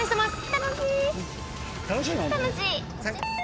楽しい。